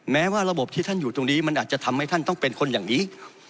แม้ว่าระบบที่ท่านอยู่ตรงนี้มันอาจจะทำให้ท่านต้องเป็นคนอย่างนี้